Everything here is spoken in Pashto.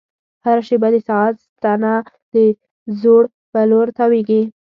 هره شېبه د ساعت ستنه د ځوړ په لور تاوېږي.